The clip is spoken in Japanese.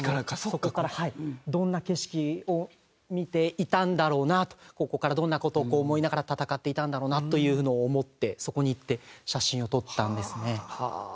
そこからどんな景色を見ていたんだろうなとここからどんな事を思いながら戦っていたんだろうなというのを思ってそこに行って写真を撮ったんですね。